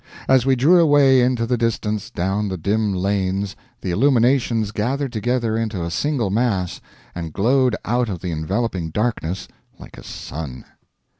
As we drew away into the distance down the dim lanes the illuminations gathered together into a single mass, and glowed out of the enveloping darkness like a sun.